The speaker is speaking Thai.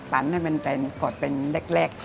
ปันให้เป็นเป็นกดเป็นเล็ก